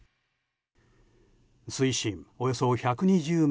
水深およそ１２０ｍ。